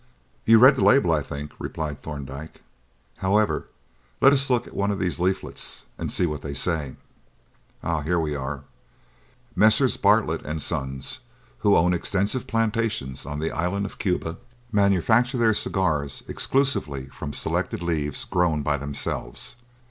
"You read the label, I think?" replied Thorndyke. "However, let us look at one of these leaflets and see what they say. Ah! here we are: 'Messrs. Bartlett and Sons, who own extensive plantations on the island of Cuba, manufacture their cigars exclusively from selected leaves grown by themselves.'